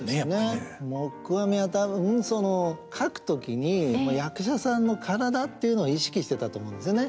黙阿弥は多分書く時に役者さんの身体っていうのを意識してたと思うんですよね。